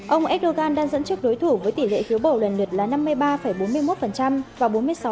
ông erdogan đang dẫn trước đối thủ với tỉ lệ khiếu bầu lần lượt là năm mươi ba bốn mươi một và bốn mươi sáu năm mươi chín